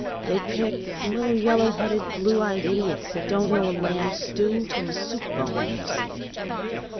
They pick little yellow headed, blue eyed idiots that don't know a lamb stew from a soup bone when they see it.